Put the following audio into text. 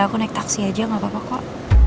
aku naik taksi aja gak apa apa kok